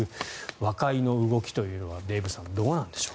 和解の動きというのはデーブさんどうなんでしょう。